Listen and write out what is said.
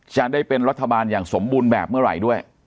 จะได้เป็นรัฐบาลอย่างสมบูรณ์แบบเมื่อไหร่ด้วย